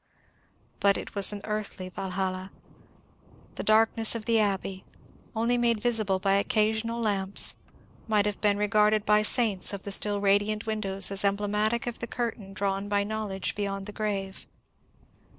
But it was an earthly Valhalla. The darkness of the Abbey, only made visible by occasional lamps, might have been re garded by saints of the still radiant windows as emblematic of the curtain drawn by knowledge beyond the grave.